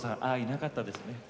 なかったですね。